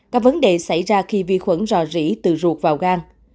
các vấn đề xảy ra khi vi khuẩn rò rỉ từ ruột vào gan